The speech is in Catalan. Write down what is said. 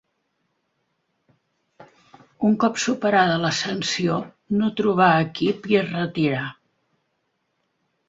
Un cop superada la sanció no trobà equip i es retirà.